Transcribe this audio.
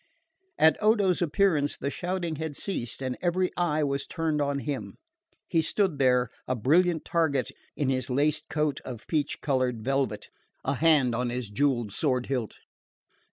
At Odo's appearance the shouting had ceased and every eye was turned on him. He stood there, a brilliant target, in his laced coat of peach coloured velvet, his breast covered with orders, a hand on his jewelled sword hilt.